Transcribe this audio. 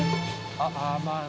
ああまあな